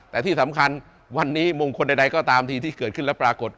แต่ที่สำคัญวันนี้มงคลใดก็ตามทีที่เกิดขึ้นแล้วปรากฏ